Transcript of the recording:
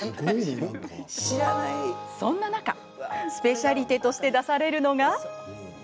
そんな中スペシャリテとして出されるのが。